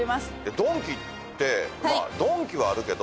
ドンキってまあドンキはあるけど。